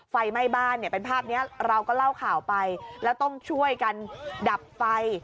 ไฟไหม้บ้านเนี่ยเป็นภาพนี้เราก็เล่าข่าวไปแล้วต้องช่วยกันดับไฟ